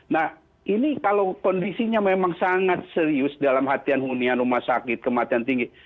nah ini kalau kondisinya memang sangat serius dalam hatian hunian rumah sakit kematian tinggi